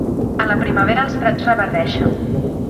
A la primavera els prats reverdeixen.